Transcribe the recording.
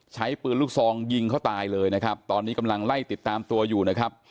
ใช้ปืนลูกซองยิงเขาตายเลยนะครับตอนนี้กำลังไล่ติดตามตัวอยู่นะครับ